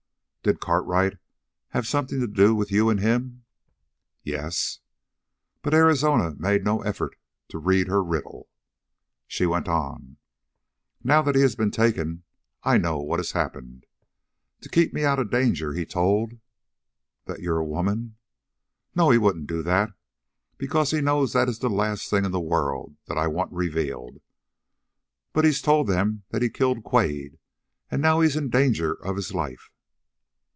"Did Cartwright have something to do with you and him?" "Yes." But Arizona made no effort to read her riddle. She went on: "Now that he has been taken, I know what has happened. To keep me out of danger he told " "That you're a woman?" "No, he wouldn't do that, because he knows that is the last thing in the world that I want revealed. But he's told them that he killed Quade, and now he's in danger of his life."